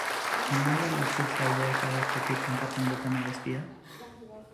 Nahi al duzu fraideek ahapetik kantatzen duten abestia?